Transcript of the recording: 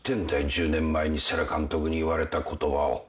１０年前に瀬良監督に言われた言葉を。